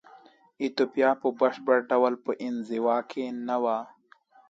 ایتوپیا په بشپړ ډول په انزوا کې نه وه.